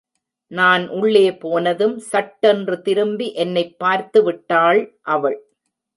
நான் உள்ளே போனதும் சட்டென்று திரும்பி என்னைப் பார்த்து விட்டாள் அவள்.